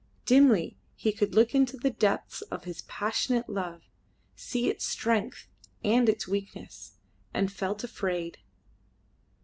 Dimly he could look into the depths of his passionate love, see its strength and its weakness, and felt afraid.